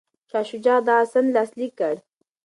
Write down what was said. شاه شجاع دا سند لاسلیک کړ.